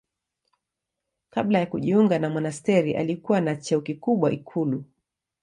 Kabla ya kujiunga na monasteri alikuwa na cheo kikubwa ikulu.